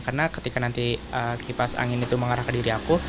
karena ketika nanti kipas angin itu mengarah ke diri aku